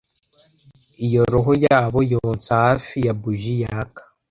iyo roho yabo yonsa hafi ya buji yaka